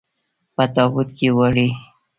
په تابوت کې وړئ.